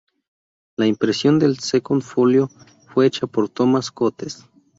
La impresión del "Second Folio" fue hecha por Thomas Cotes.